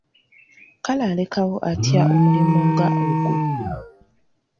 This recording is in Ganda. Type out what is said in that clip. Kale alekawo atya omulimu nga ogwo?